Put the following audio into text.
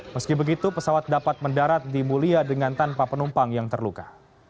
meski begitu pesawat dapat mendarat di mulia dengan tanpa penumpang yang terluka